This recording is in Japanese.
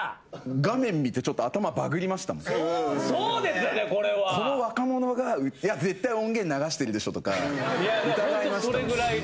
画面見て、そうですよね、これは。この若者が？いや、絶対音源流してるでしょとか、疑いましたもん。